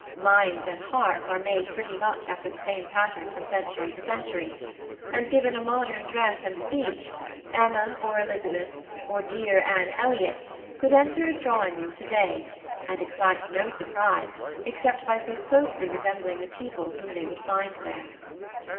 Minds and hearts are made pretty much after the same pattern from century to century; and given a modern dress and speech, Emma or Elizabeth or dear Anne Eliot could enter a drawing room to day, and excite no surprise except by so closely resembling the people whom they would find there.